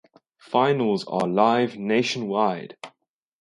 Finals are live nationwide.